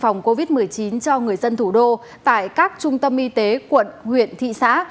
phòng covid một mươi chín cho người dân thủ đô tại các trung tâm y tế quận huyện thị xã